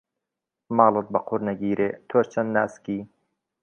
ماڵت بە قوڕ نەگیرێ تۆش چەند ناسکی.